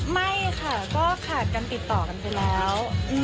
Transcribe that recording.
ไม่ค่ะก็ขาดกันติดต่อกันไปแล้ว